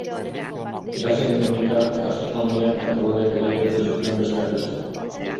Gasen dinamika, astronomia eta koloreak ere ikertu zituen, besteak beste.